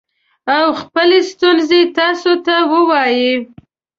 او خپلې ستونزې تاسو ته ووايي